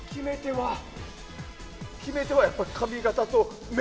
決め手はやっぱり髪形と目。